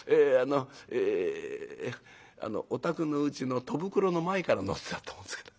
あのお宅のうちの戸袋の前から乗せちゃったもんですから。